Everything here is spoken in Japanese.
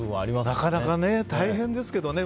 なかなか大変ですけどね。